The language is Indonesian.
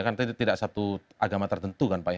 kan tadi tidak satu agama tertentu kan pak